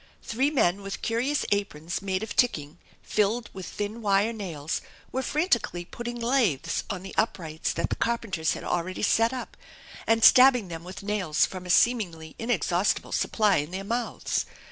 Three men with curious aprons made of ticking, filled with thin wire nails, were frantically putting laths on the uprights that the carpenters had already set up, and stabbing them with nails from a seemingly inexhaustible supply in their mouths.